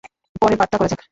পরের পার্টটা করা যাক।